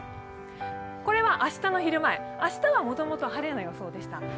これは明日の昼前、明日はもともと晴れの予想でした。